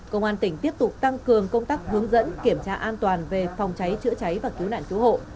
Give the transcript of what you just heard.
công an tỉnh tiếp tục tăng cường công tác hướng dẫn kiểm tra an toàn về phòng cháy chữa cháy và cứu nạn cứu hộ